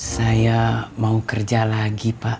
saya mau kerja lagi pak